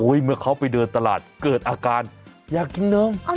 เมื่อเขาไปเดินตลาดเกิดอาการอยากกินนม